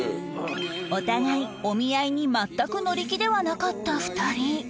お互いお見合いに全く乗り気ではなかった２人